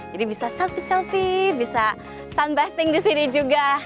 jadi bisa selfie selfie bisa sunbathing di sini juga